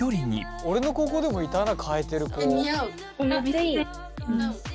俺の高校でもいたな替えてる子。